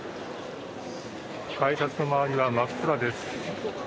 改札の周りは真っ暗です。